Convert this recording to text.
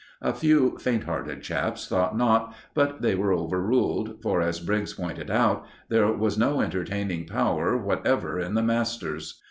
A few faint hearted chaps thought not; but they were overruled, for, as Briggs pointed out, there was no entertaining power whatever in the masters.